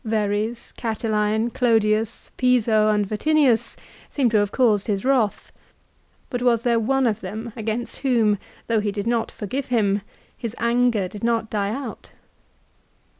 Verres, Catiline, Clodius, Piso, and Vatinius seem to have caused his wrath. But was there one of them against whom, though he did not forgive him, his anger did not die out